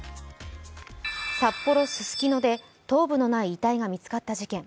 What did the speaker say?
札幌・ススキノで頭部のない遺体が見つかった事件。